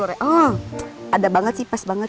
oh ada banget sih pas banget